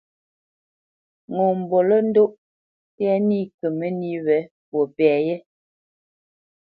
Ŋo mbolə́ndóʼ tɛ́ nî kə mə́nī wě fwo pɛ yé.